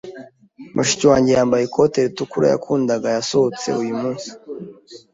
Mushiki wanjye, yambaye ikote ritukura yakundaga, yasohotse uyu munsi.